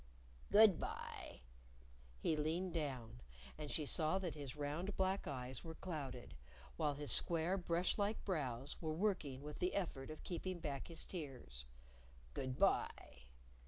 "Good by." He leaned down. And she saw that his round black eyes were clouded, while his square brush like brows were working with the effort of keeping back his tears. "Good by!"